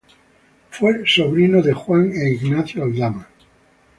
Fue sobrino de Juan e Ignacio Aldama.